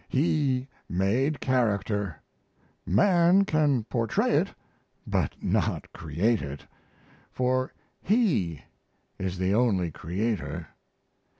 He made character man can portray it but not "create" it, for He is the only creator.